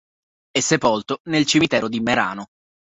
È sepolto nel cimitero di Merano.